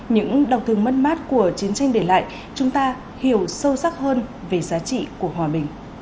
những đau thương mất mát của chiến tranh để lại chúng ta hiểu sâu sắc hơn về giá trị của hòa bình